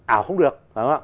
ảo không được